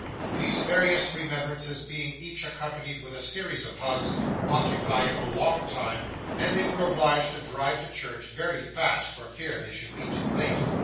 These various remembrances being each accompanied with a series of hugs, occupied a long time, and they were obliged to drive to church very fast, for fear they should be too late.